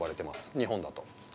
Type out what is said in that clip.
日本だと。